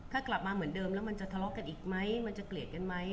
ถ้ากลับมาเหมือนเดิมแล้วมันจะทะเลาะกันอีกไหมมันจะเกลียดกันไหม